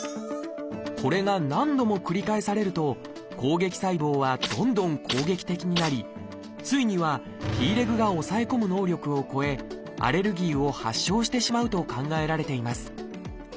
これが何度も繰り返されると攻撃細胞はどんどん攻撃的になりついにはＴレグが抑え込む能力を超えアレルギーを発症してしまうと考えられています。